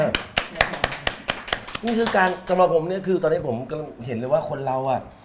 นี่คือการสำหรับผมเนี่ยคือตอนนี้ผมก็เห็นเลยว่าคนเราอ่ะ